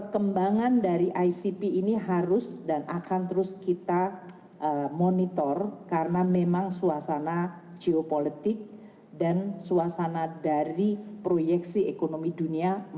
kenaikan rp sembilan belas triliun atau rp tiga puluh triliun